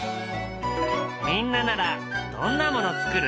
みんなならどんなもの作る？